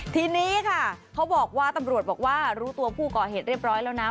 ทีนี้ค่ะเขาบอกว่าตำรวจบอกว่ารู้ตัวผู้ก่อเหตุเรียบร้อยแล้วนะ